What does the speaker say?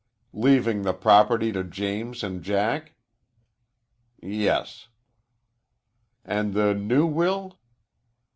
"Leaving the property to James and Jack?" "Yes." "And the new will?"